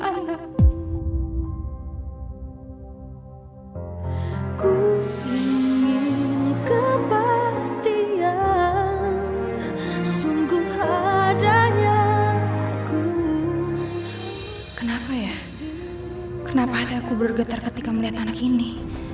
aku ingin kepastian sungguh adanya aku kenapa ya kenapa aku bergetar ketika melihat anak ini